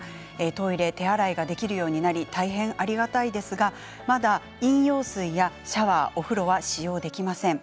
トイレや手洗いができるようになりありがたいですがまだ飲料水やシャワーお風呂は使用できません。